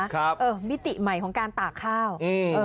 ครับมิติใหม่ของการตากข้าว